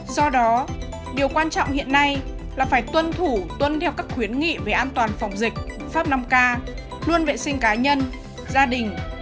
do đó điều quan trọng hiện nay là phải tuân thủ tuân theo các khuyến nghị về an toàn phòng dịch pháp năm k luôn vệ sinh cá nhân gia đình